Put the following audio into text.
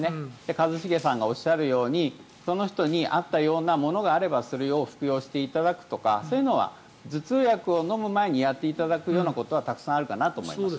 一茂さんがおっしゃるようにその人に合ったようなものがあればそれを服用していただくとかそういうのは、頭痛薬を飲む前にやっていただくようなことはたくさんあるかと思います。